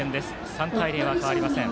３対０は変わりません。